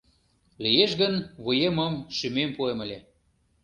Лиеш гын, вуемым, шӱмем пуэм ыле.